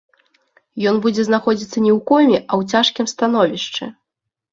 Ён будзе знаходзіцца не ў коме, а ў цяжкім становішчы.